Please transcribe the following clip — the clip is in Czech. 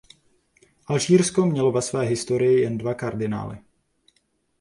Alžírsko mělo ve své historii jen dva kardinály.